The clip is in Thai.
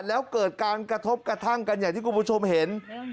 แล้วเกิดการกระทบกระทั่งกันอย่างที่คุณผู้ชมเห็น